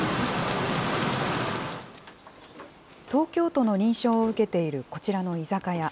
東京都の認証を受けているこちらの居酒屋。